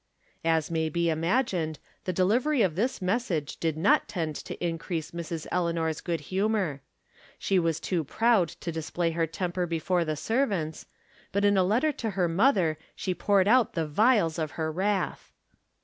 As may be imagined, the delivery of this mes sage did not tend to increase Mrs. Eleanor's good humor. She was too proud to display her temper before the servants, but in a letter to her mother she poured out the vials of her wrath.